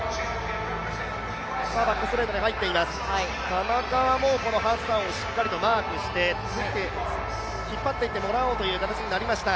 田中はハッサンをしっかりとマークして、引っ張っていってもらおうという形になりました。